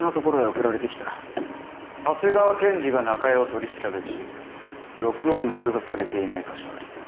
「長谷川検事が中江を取り調べ中録音録画されていない箇所あり。